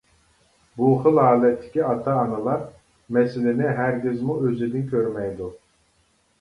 بۇ خىل ھالەتتىكى ئاتا-ئانىلار مەسىلىنى ھەرگىزمۇ ئۆزىدىن كۆرمەيدۇ.